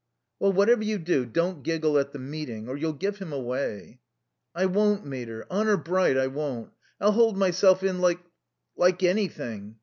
"Well, whatever you do, don't giggle at the meeting, or you'll give him away." "I won't, mater. Honour bright, I won't. I'll hold myself in like like anything.